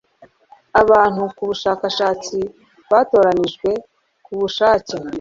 Abantu kubushakashatsi batoranijwe kubushake